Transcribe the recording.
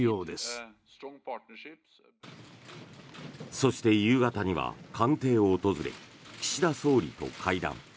そして、夕方には官邸を訪れ岸田総理と会談。